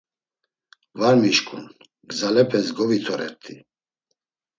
Var mişǩun, gzalepes govitorert̆i.